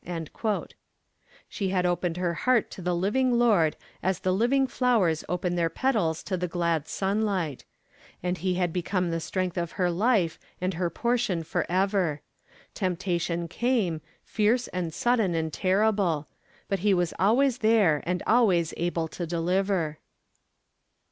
_' She had opened her heart to the living Lord as the living flowers open their petals to the glad sunlight; and He had become the strength of her life and her portion for ever. Temptation came, fierce and sudden and terrible; but He was always there and always able to deliver.